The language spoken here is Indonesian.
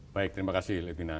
baik terima kasih litwina